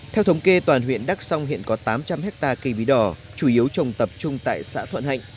theo thống kê toàn huyện đắk song hiện có tám trăm linh hectare cây bí đỏ chủ yếu trồng tập trung tại xã thuận hạnh